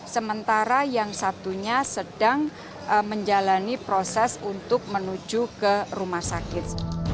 sementara yang satunya sedang menjalani proses untuk menuju ke rumah sakit